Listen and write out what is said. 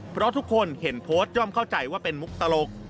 เพราะทุกคนเห็นโพสต์ย่อมเข้าใจว่าเป็นมุกตลก